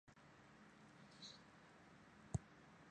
他前去拜见波隆前往史铎克渥斯城堡。